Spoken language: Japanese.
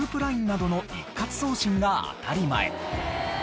ＬＩＮＥなどの一括送信が当たり前。